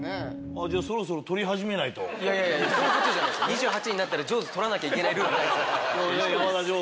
２８になったら『ジョーズ』撮らなきゃいけないルールない。